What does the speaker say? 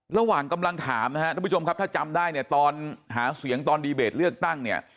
ระหว่างกำลังถามนะครับทุกผู้ชมครับถ้าจำได้เนี่ยตอนหาเสียงตอนดีเบตเลือกตั้งเนี่ย